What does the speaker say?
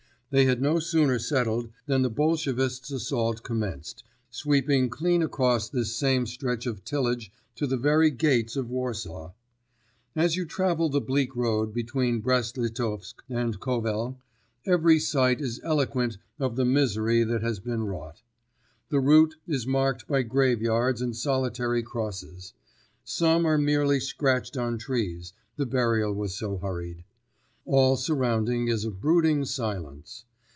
They Had no sooner settled than the Bolshevists' assaults commenced, sweeping clean across this same stretch of tillage to the very gates of Warsaw. As you travel the bleak road between Brest Litovsk and Kovel, every sight is eloquent of the misery that has been wrought. The route is marked by grave yards and solitary crosses. Some are merely scratched on trees, the burial was so hurried. All surrounding is a brooding silence.